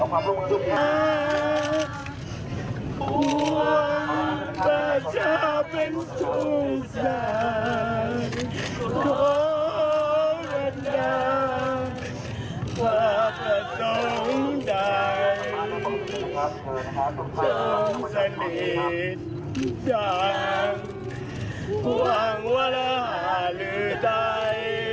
ว่าเพื่อต้องได้ต้องสะเด็ดจากหวังว่าละหาหรือได้